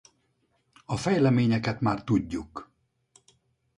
A fejleményeket már tudjuk.